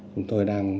chúng tôi đang